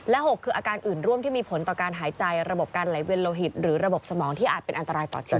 ๖คืออาการอื่นร่วมที่มีผลต่อการหายใจระบบการไหลเวียนโลหิตหรือระบบสมองที่อาจเป็นอันตรายต่อชีวิต